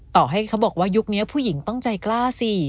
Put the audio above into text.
ต่อให้เขาบอกว่ายุคนี้ผู้หญิงต้องใจกล้าสิ